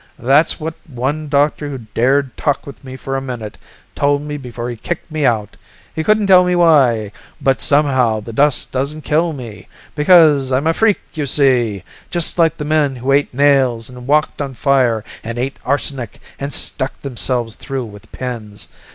That's what one doctor who dared talk with me for a minute told me before he kicked me out. He couldn't tell me why, but somehow the dust doesn't kill me. Because I'm a freak, you see, just like the men who ate nails and walked on fire and ate arsenic and stuck themselves through with pins.